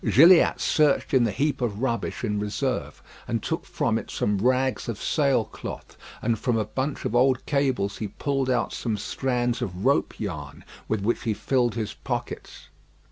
Gilliatt searched in the heap of rubbish in reserve, and took from it some rags of sail cloth, and from a bunch of old cables he pulled out some strands of rope yarn with which he filled his pockets.